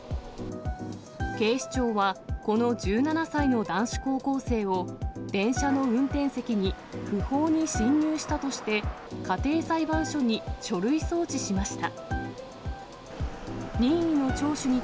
警視庁は、この１７歳の男子高校生を電車の運転席に不法に侵入したとして、家庭裁判所に書類送致しました。